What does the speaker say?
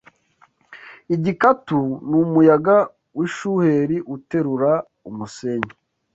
igikatu n’umuyaga w’ishuheri uterura umusenyi